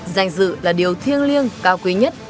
danh dự là điều thiêng liêng cao quý nhất